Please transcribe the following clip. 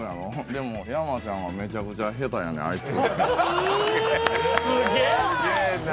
でも、山ちゃんはめちゃめちゃ下手やねん、あいつ。